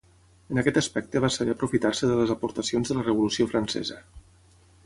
En aquest aspecte va saber aprofitar-se de les aportacions de la Revolució Francesa.